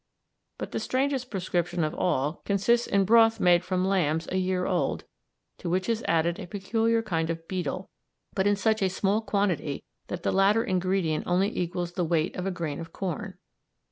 But the strangest prescription of all consists in broth made from lambs a year old, to which is added a peculiar kind of beetle, but in such a small quantity that the latter ingredient only equals the weight of a grain of corn.